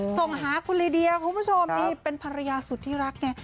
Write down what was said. ส่งหาคุณลีเดียคุณผู้ชมนี่เป็นภรรยาสุดที่รักไง